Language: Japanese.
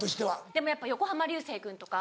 でもやっぱ横浜流星君とか。